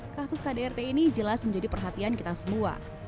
kasus kdrt ini jelas menjadi perhatian kita semua